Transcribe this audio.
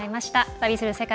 「旅する世界」